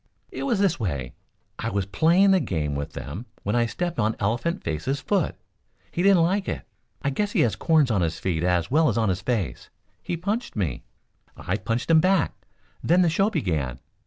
"It was this way, I was playing the game with them when I stepped on Elephant Face's foot. He didn't like it. I guess he has corns on his feet as well as on his face. He punched me. I punched him back. Then the show began.